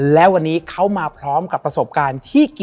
และวันนี้แขกรับเชิญที่จะมาเชิญที่เรา